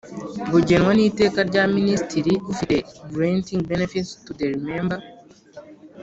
Bugenwa n iteka rya minisitiri ufite granting benefits to the member